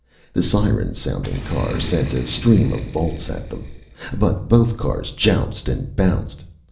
The siren sounding car send a stream of bolts at them. But both cars jounced and bounced.